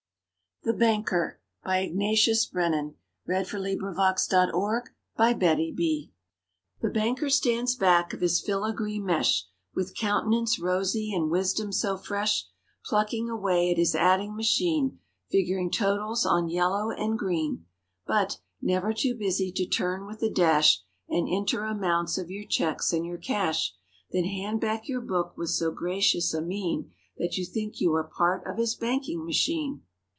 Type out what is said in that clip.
o fair— We'll gamble she'll tell him she's—"Nothing to wear." THE BANKER The banker stands back of his filigree mesh With countenance rosy and wisdom so fresh; Plucking away at his adding machine Figuring totals on "yellow" and green;" But, never too busy to turn with a dash And enter amounts of your checks and your cash; Then hand back your book with so gracious a mien That you think you are part of his banking machine.